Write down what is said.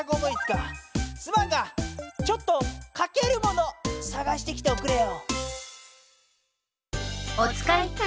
すまんがちょっとかけるもの探してきておくれよ。